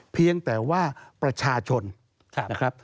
เพียงแต่ว่าประชาชนนะครับ